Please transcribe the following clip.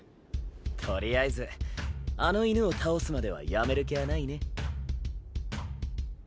とりあえずあの犬を倒すまではやめる気はないね。